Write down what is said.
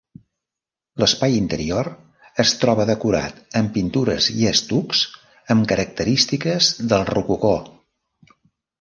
L'espai interior es troba decorat amb pintures i estucs, amb característiques del rococó.